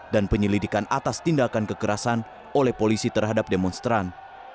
dan penyelidikan atas tindakan kekerasan oleh polisi terhadap demonstran